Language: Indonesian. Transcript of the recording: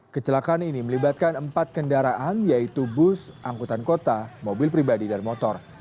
kecelakaan ini melibatkan empat kendaraan yaitu bus angkutan kota mobil pribadi dan motor